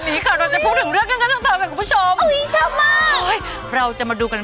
แม่บ้านประจันบัน